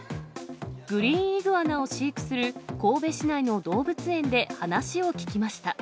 グリーンイグアナを飼育する神戸市内の動物園で話を聞きました。